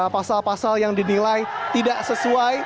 pasal pasal yang dinilai tidak sesuai